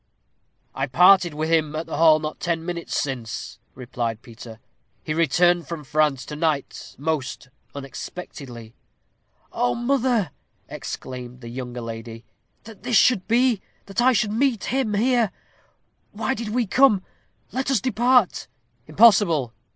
"I parted with him at the hall not ten minutes since," replied Peter. "He returned from France to night most unexpectedly." "Oh, mother!" exclaimed the younger lady, "that this should be that I should meet him here. Why did we come? let us depart." "Impossible!"